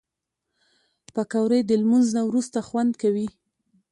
پکورې د لمونځ نه وروسته خوند کوي